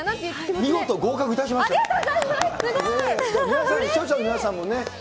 見事合格いたしました。